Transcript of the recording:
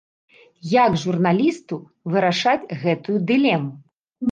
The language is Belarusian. Як журналісту вырашаць гэтую дылему?